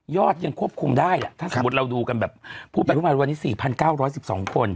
ยังควบคุมได้ถ้าสมมุติเราดูกันแบบพูดไปทุกวันวันนี้๔๙๑๒คน